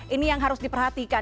ini yang harus diperhatikan